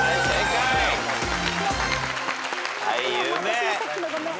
私のさっきのごめん。